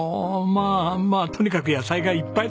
まあまあとにかく野菜がいっぱいだ。